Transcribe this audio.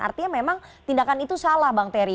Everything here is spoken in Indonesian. artinya memang tindakan itu salah bang terry